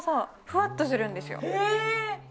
ふわっとするんですよ。